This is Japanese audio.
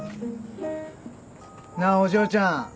なあお嬢ちゃん